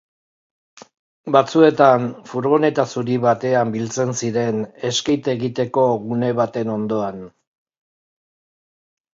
Batzuetan, furgoneta zuri batean biltzen ziren, skate egiteko gune batean ondoan.